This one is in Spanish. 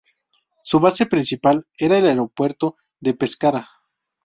Su base principal era el Aeropuerto de Pescara.